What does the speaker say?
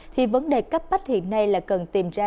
thì vấn đề cấp bách hiện nay là cần tìm ra